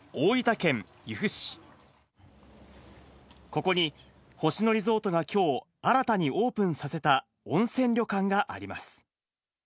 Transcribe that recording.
ここに、星野リゾートがきょう、新たにオープンさせた温泉旅館があります。